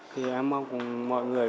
thì em mong mọi người